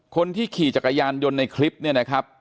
คนที่ขี่จักรยานยนต์ในคลิปเนี่ยนะครับ